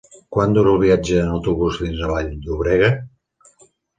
Quant dura el viatge en autobús fins a Vall-llobrega?